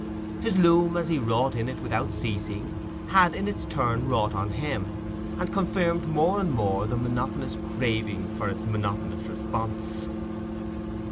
His loom, as he wrought in it without ceasing, had in its turn wrought on him, and confirmed more and more the monotonous craving for its monotonous response.